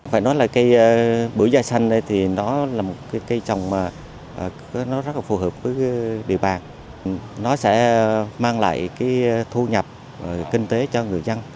phải nói là cây bưởi da xanh thì nó là một cây trồng mà nó rất là phù hợp với địa bàn nó sẽ mang lại cái thu nhập kinh tế cho người dân